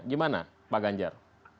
gimana pak ganjar